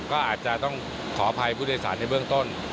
ก็อาจจะต้องขออภัยผู้โดยสารในเบื้องต้น